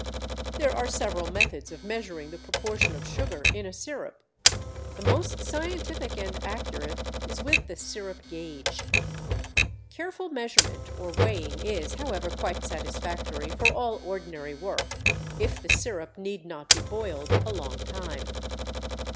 There are several methods of measuring the proportion of sugar in a sirup. The most scientific and accurate is with the sirup gauge. Careful measurement or weighing is, however, quite satisfactory for all ordinary work if the sirup need not be boiled a long time.